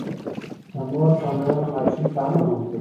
د مور پاملرنه ماشوم ته امن ورکوي.